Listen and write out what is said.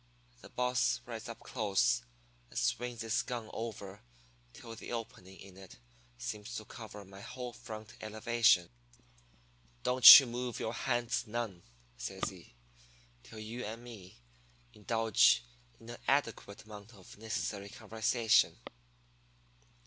"The boss rides up close, and swings his gun over till the opening in it seems to cover my whole front elevation. "'Don't you move your hands none,' says he, 'till you and me indulge in a adequate amount of necessary conversation.'